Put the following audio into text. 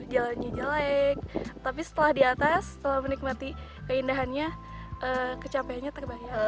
jalannya jelek tapi setelah di atas setelah menikmati keindahannya kecapeannya terbayang